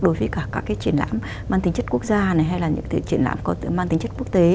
đối với cả các cái triển lãm mang tính chất quốc gia này hay là những cái triển lãm mang tính chất quốc tế